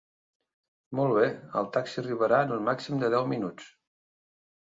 Molt bé, el taxi arribarà en un màxim de deu minuts.